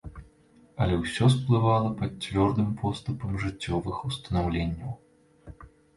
Але ўсё сплывала пад цвёрдым поступам жыццёвых устанаўленняў.